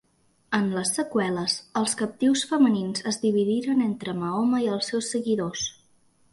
En les seqüeles, els captius femenins es dividiren entre Mahoma i els seus seguidors.